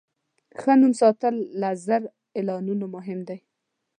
ښه نوم ساتل له زر اعلانونو مهم دی.